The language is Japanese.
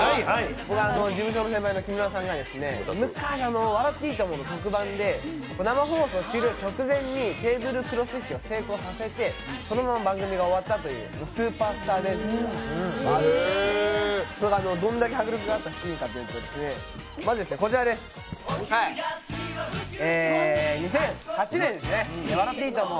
事務所の先輩の木村さんが昔「笑っていいとも！」の特番で生放送終了直前にテーブルクロス引きを成功させてそのまま番組が終わったっていうスーパースター伝説がありましてそれがどれだけ迫力があったシーンかというとまずこちらです、２００８年ですね、「笑っていいとも！」